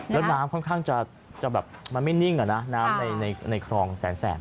แล้วน้ำค่อนข้างจะแบบมันไม่นิ่งอะนะน้ำในคลองแสน